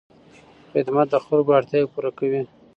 خدمت د خلکو اړتیاوې پوره کوي.